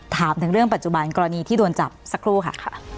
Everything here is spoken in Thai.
ถามถึงเรื่องปัจจุบันกรณีที่โดนจับสักครู่ค่ะ